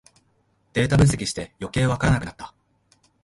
データ分析してよけいわからなくなった